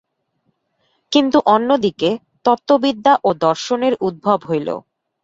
কিন্তু অন্যদিকে, তত্ত্ববিদ্যা ও দর্শনের উদ্ভব হইল।